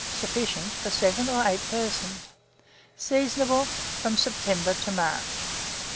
Sufficient for 7 or 8 persons. Seasonable from September to March.